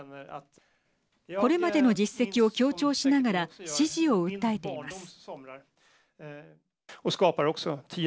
これまでの実績を強調しながら支持を訴えています。